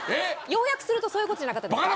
要約するとそういう事じゃなかったですか？